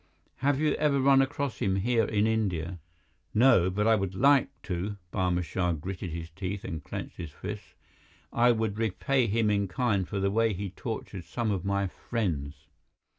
Have you ever run across him here in India?" "No, but I would like to." Barma Shah gritted his teeth and clenched his fists. "I would repay him in kind for the way he tortured some of my friends."